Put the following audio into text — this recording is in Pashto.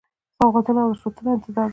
سوغاتونو او رشوتونو انتظار درلود.